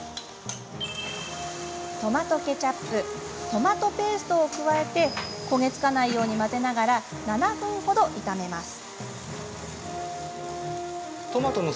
トマトケチャップトマトペーストを加え焦げ付かないように混ぜながら７分ほど炒めます。